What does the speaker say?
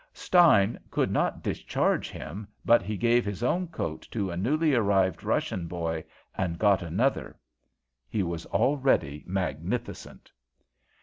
Stein could not discharge him, but he gave his own coat to a newly arrived Russian boy and got another. He was already magnificent.